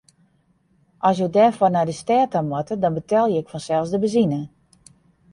As jo derfoar nei de stêd ta moatte, dan betelje ik fansels de benzine.